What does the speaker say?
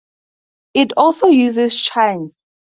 It also uses chimes.